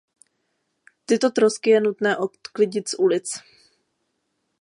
Tyto trosky je nutné odklidit z ulic.